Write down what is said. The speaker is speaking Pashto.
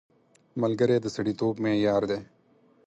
ملګری د سړیتوب معیار دی